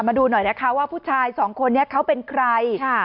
มาดูหน่อยนะคะว่าผู้ชายสองคนนี้เขาเป็นใคร